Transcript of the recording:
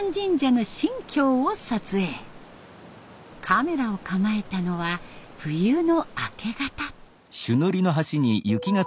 カメラを構えたのは冬の明け方。